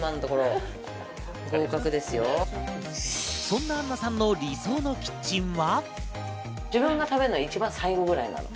そんなアンナさんの理想のキッチンは。